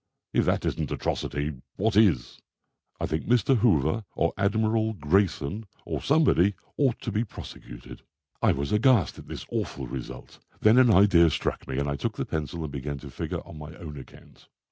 If that isn't atrocity, what is? I think Mr. Hoover or Admiral Grayson, or somebody, ought to be prosecuted." I was aghast at this awful result. Then an idea struck me, and I took the pencil and began to figure on my own account.